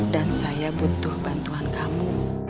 dan saya butuh bantuan kamu